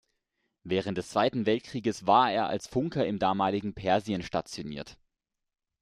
Während des Zweiten Weltkriegs war er als Funker im damaligen Persien stationiert.